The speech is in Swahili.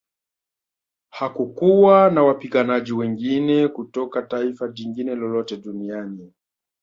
Hakukuwa na wapiganaji wengine kutoka taifa jingine lolote duniani